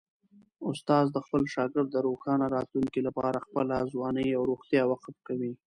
استاد د خپل شاګرد د روښانه راتلونکي لپاره خپله ځواني او روغتیا وقف کوي.